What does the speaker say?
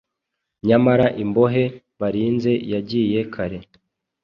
nyamara imbohe barinze yagiye kare.